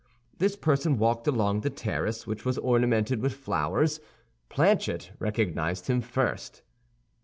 This person walked along the terrace, which was ornamented with flowers. Planchet recognized him first.